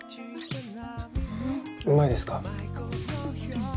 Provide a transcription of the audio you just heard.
うまいですか？